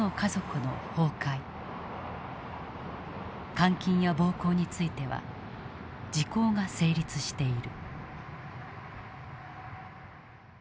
監禁や暴行については時効が成立している。